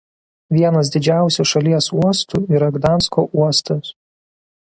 Vienas didžiausių šalies uostų yra Gdansko uostas.